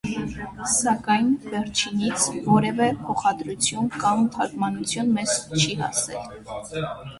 Սակայն վերջինից որևէ փոխադրություն կամ թարգմանություն մեզ չի հասել։